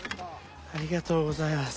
ありがとうございます。